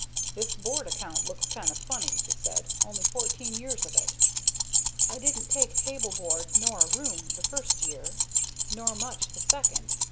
"This board account looks kind of funny," he said "only fourteen years of it!" "I didn't take table board nor a room the first year nor much the second.